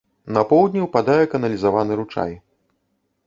На поўдні ўпадае каналізаваны ручай.